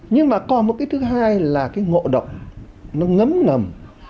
nhưng mà còn một cái thứ hai là cái ngộ độc nó ngấm ngầm